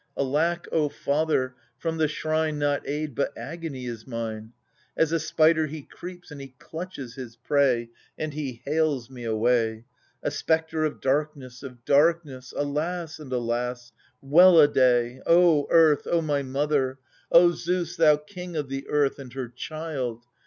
Alack, O father ! from the shrine Not aid but agony is mine. As a spider he creeps and he clutches his prey, And he hales me away. A spectre of darkness, of darkness. Alas and alas ! well a day ! O Earth, O my mother ! O Zeus, thou king of the earth, and her child